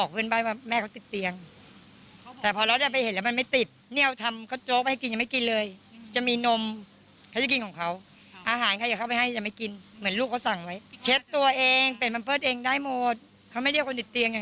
เขาไม่เรียกคนติดเตียงอย่างนั้น